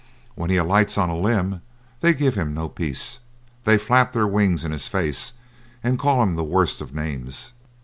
When he alights on a limb they give him no peace; they flap their wings in his face, and call him the worst of names.